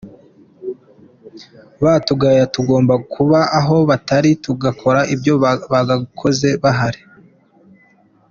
Batugaya ! Tugomba kuba aho batari tugakora ibyo bagakoze bahari.